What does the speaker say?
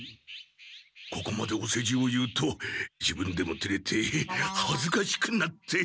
ここまでおせじを言うと自分でもてれてはずかしくなって。